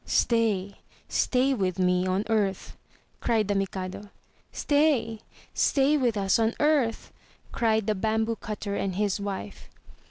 *'Stay, stay with me on earth! cried the Mikado. "Stay, stay with us on earth!" cried the bamboo cutter and his wife.